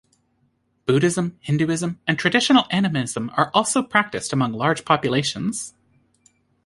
Buddhism, Hinduism, and traditional Animism are also practiced among large populations.